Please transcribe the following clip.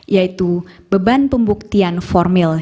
yaitu beban pembuktian formil